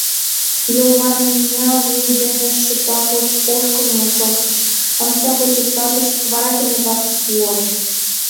Йолварня вуй дене шыпак ошкылмо шоктыш, омса кочыртатыш, вара кенета «птлоч!»